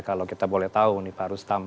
kalau kita boleh tahu nih pak rustam